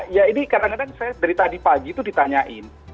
ya ini kadang kadang saya dari tadi pagi itu ditanyain